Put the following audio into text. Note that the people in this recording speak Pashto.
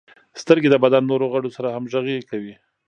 • سترګې د بدن نورو غړو سره همغږي کوي.